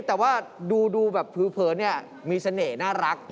แต่ว่าดูแบบเผลอเนี่ยมีเสน่ห์น่ารัก